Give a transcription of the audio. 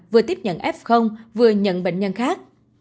vừa tiếp nhận f vừa nhận bệnh nhân khác